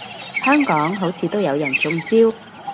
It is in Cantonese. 香港好似都有人中招